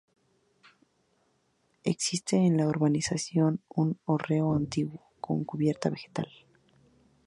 Existe en la urbanización un hórreo antiguo, con cubierta vegetal.